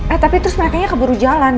eh tapi terus merekanya keburu jalan